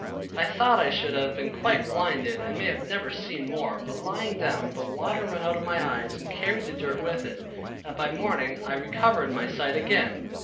I thought I should have been quite blinded, and have never seen more, but lying down, the water run out of my eyes, and carried the dirt with it, that by the morning I recovered my sight again.